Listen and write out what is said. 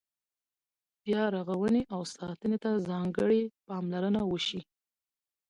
بیا رغونې او ساتنې ته ځانګړې پاملرنه وشي.